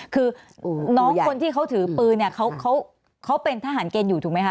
คือน้องคนที่เขาถือปืนเนี่ยเขาเป็นทหารเกณฑ์อยู่ถูกไหมค